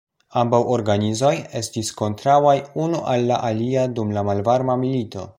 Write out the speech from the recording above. Ambaŭ organizoj estis kontraŭaj unu al la alia dum la malvarma milito.